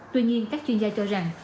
tuy nhiên các chuyên gia cho rằng